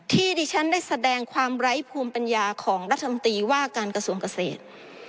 ที่ดิฉันได้แสดงความไร้ภูมิปัญญาของรัฐมนตรีว่าการกระทรวงเกษตร